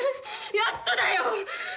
やっとだよ！